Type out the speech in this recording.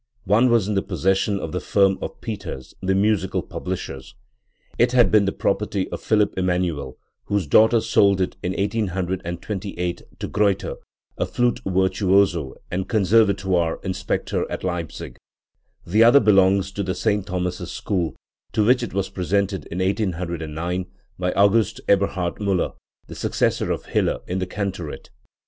One was in the possession of the firm of Peters, the musical publishers; it had been the property of Philipp Emmanuel, whose daughter sold it in 1828 to Greuter, a flute virtuoso and Conservatoire Inspector at Leipzig; the other belongs to the St. Thomas's school, to which it was presented in 1809 by August Eberhard Miiller, the successor of Hiller in the cantorate.